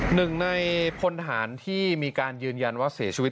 หนึ่งในพลทหารที่มีการยืนยันว่าเสียชีวิต